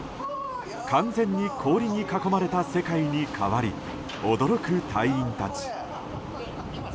完全に氷に囲まれた世界に変わり驚く隊員たち。